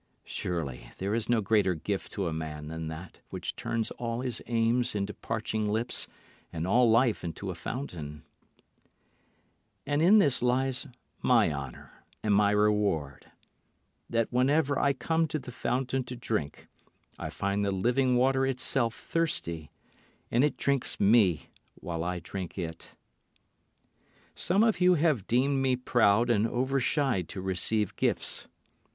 Surely there is no greater gift to a man than that which turns all his aims into parching lips and all life into a fountain. [Illustration: 0125] And in this lies my honour and my reward, That whenever I come to the fountain to drink I find the living water itself thirsty; And it drinks me while I drink it. Some of you have deemed me proud and over shy to receive gifts.